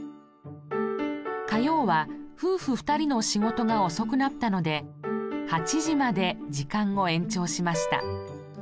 火曜は夫婦２人の仕事が遅くなったので８時まで時間を延長しました。